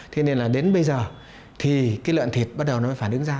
thế nên là đến bây giờ thì cái lợn thịt bắt đầu nó phải đứng ra